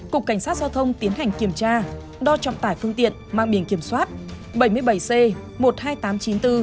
cục cảnh sát giao thông tiến hành kiểm tra đo trọng tải phương tiện mang biển kiểm soát bảy mươi bảy c một mươi hai nghìn tám trăm chín mươi bốn